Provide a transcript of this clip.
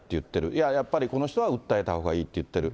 いや、やっぱりこの人は訴えたほうがいいって言ってる。